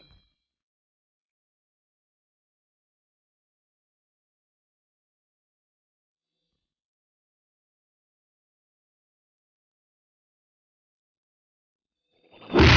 kamu harus pergi